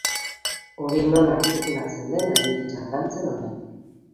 Hori nola artikulatzen den ari dira lantzen orain.